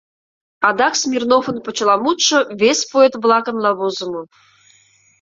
Адак Смирновын почеламутшо вес поэт-влакынла возымо.